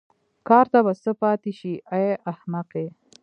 کار ته به څه پاتې شي ای احمقې.